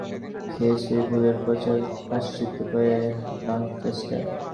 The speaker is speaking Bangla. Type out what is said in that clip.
শেষ মিনিটে তাই ইচ্ছা করে গোল খেয়ে সেই ভুলের প্রায়শ্চিত্ত করে ডনচেস্টার।